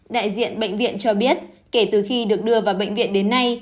đại diện bệnh viện cho biết kể từ khi được đưa vào bệnh viện đến nay